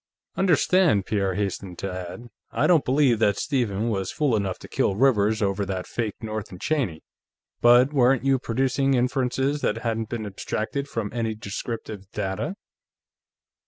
"Understand," Pierre hastened to add, "I don't believe that Stephen was fool enough to kill Rivers over that fake North & Cheney, but weren't you producing inferences that hadn't been abstracted from any descriptive data?"